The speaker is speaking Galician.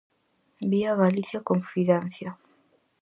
Vía Galicia confidencia.